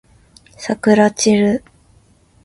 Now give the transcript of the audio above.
さくらちる